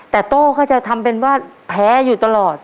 แต่โต้ก็จะทำเป็นว่าแพ้อยู่ตลอด